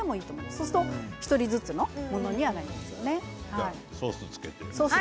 そうすると１人ずつのものになりますけれどね。